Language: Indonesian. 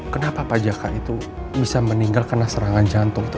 kenapa pajakak itu bisa meninggal kena serangan jantung itu